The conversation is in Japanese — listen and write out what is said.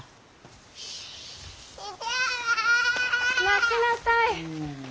待ちなさい。